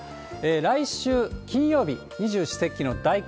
来週金曜日、二十四節気の大寒。